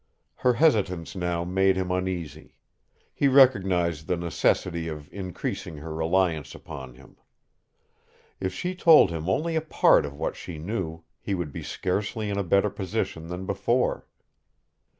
Her hesitance now made him uneasy; he recognized the necessity of increasing her reliance upon him. If she told him only a part of what she knew, he would be scarcely in a better position than before.